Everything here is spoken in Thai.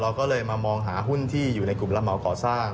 ก็เลยมามองหาหุ้นที่อยู่ในกลุ่มระเหมาก่อสร้าง